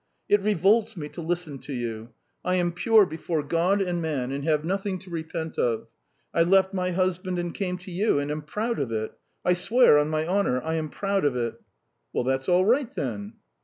"It revolts me to listen to you. I am pure before God and man, and have nothing to repent of. I left my husband and came to you, and am proud of it. I swear, on my honour, I am proud of it!" "Well, that's all right, then!"